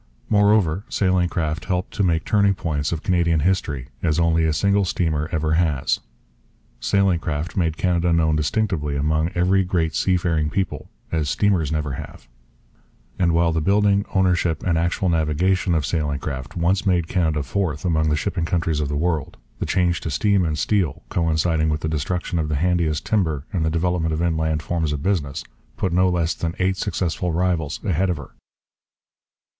Moreover, sailing craft helped to make turning points of Canadian history as only a single steamer ever has. Sailing craft made Canada known distinctively among every great seafaring people as steamers never have. And while the building, ownership, and actual navigation of sailing craft once made Canada fourth among the shipping countries of the world, the change to steam and steel, coinciding with the destruction of the handiest timber and the development of inland forms of business, put no less than eight successful rivals ahead of her.